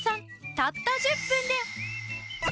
たった１０分で。